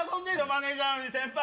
マネージャー先輩